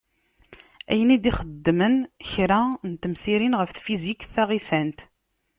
Ayen i d-ixeddmen kra n temsirin ɣef Tfizikt taɣisant.